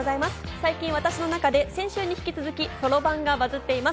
最近、私の中で先週に引き続き、そろばんがバスっています。